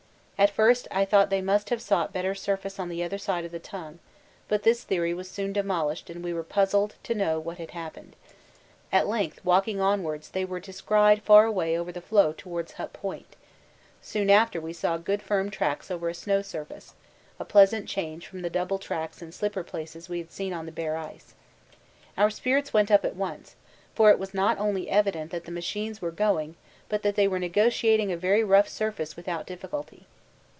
At first I thought they must have sought better surface on the other side of the Tongue, but this theory was soon demolished and we were puzzled to know what had happened. At length walking onward they were descried far away over the floe towards Hut Point; soon after we saw good firm tracks over a snow surface, a pleasant change from the double tracks and slipper places we had seen on the bare ice. Our spirits went up at once, for it was not only evident that the machines were going, but that they were negotiating a very rough surface without difficulty.